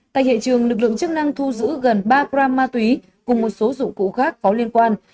tại hiện trường lực lượng chức năng thu giữ gần ba gram ma túy cùng một số dụng cụ khác có liên quan